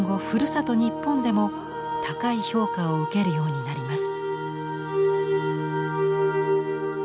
日本でも高い評価を受けるようになります。